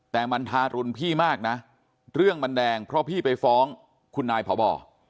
แต่มันทารุณพี่มากนะเรื่องมันแดงเพราะพี่ไปฟ้องคุณนายพบ